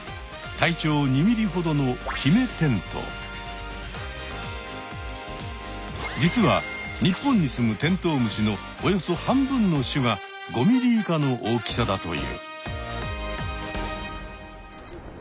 体長２ｍｍほどの実は日本にすむテントウムシのおよそ半分の種が５ｍｍ以下の大きさだという。